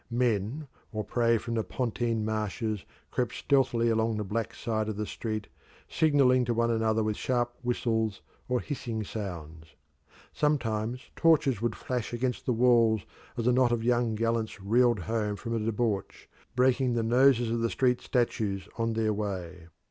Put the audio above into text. Men or prey from the Pontine Marshes crept stealthily along the black side of the street signalling to one another with sharp whistles or hissing sounds. Sometimes torches would flash against the walls as a knot of young gallants reeled home from a debauch, breaking the noses of the street statues on their way.